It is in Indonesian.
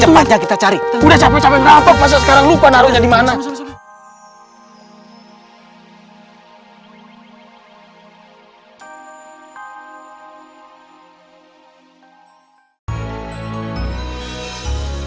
kecepatan kita cari udah capek capek berapa pasal sekarang lupa naruhnya dimana